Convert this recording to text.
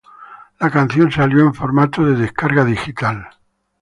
La canción salió en formato de descarga digital.